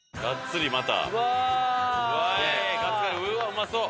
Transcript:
うまそう！